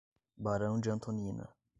Barão de Antonina